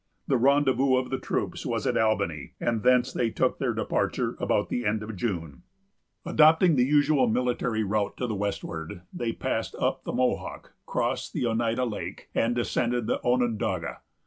The rendezvous of the troops was at Albany, and thence they took their departure about the end of June. Adopting the usual military route to the westward, they passed up the Mohawk, crossed the Oneida Lake, and descended the Onondaga.